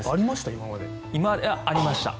今まで。ありました。